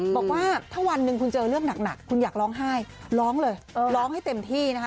บอกว่าถ้าวันหนึ่งคุณเจอเรื่องหนักคุณอยากร้องไห้ร้องเลยร้องให้เต็มที่นะคะ